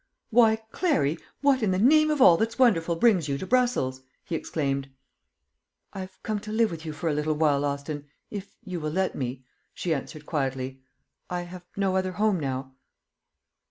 "Why, Clary, what in the name of all that's wonderful, brings you to Brussels?" he exclaimed. "I have come to live with you for a little while, Austin, if you will let me," she answered quietly. "I have no other home now."